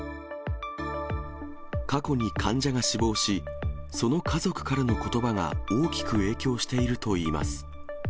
過去に患者が死亡し、その家族からのことばが大きく影響しているといいます。